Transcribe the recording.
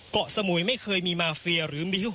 เกาะสมุยไม่เคยมีมาเฟียหรือมิยุ